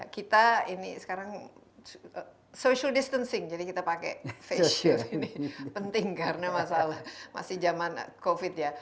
kita ini sekarang social distancing jadi kita pakai face shield ini penting karena masalah masih zaman covid ya